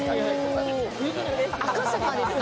赤坂ですか？